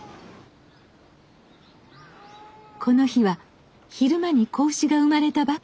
この日は昼間に子牛が産まれたばかり。